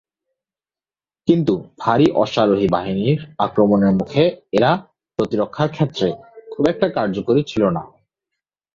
কিন্ত ভারী অশ্বারোহী বাহিনীর আক্রমণের মুখে এরা প্রতিরক্ষার ক্ষেত্রে খুব একটা কার্যকরী ছিল না।